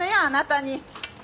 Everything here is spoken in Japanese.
あなたに。